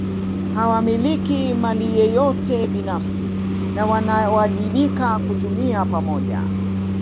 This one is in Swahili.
Hawamiliki mali yeyote binafsi na wanawajibika kutumia pamoja